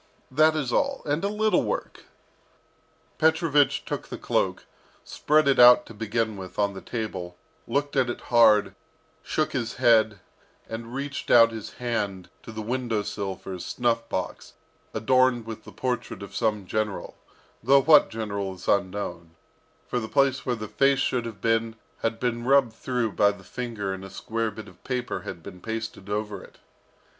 That is all. And a little work " Petrovich took the cloak, spread it out, to begin with, on the table, looked at it hard, shook his head, reached out his hand to the window sill for his snuff box, adorned with the portrait of some general, though what general is unknown, for the place where the face should have been had been rubbed through by the finger and a square bit of paper had been pasted over it.